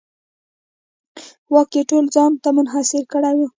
واک یې ټول ځان ته منحصر کړی و.